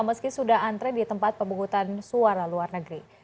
meski sudah antre di tempat pemungutan suara luar negeri